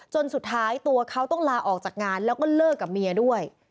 จนสุดท้ายตัวเขาต้องลาออกจากงานแล้วก็เลิกกับเมียด้วย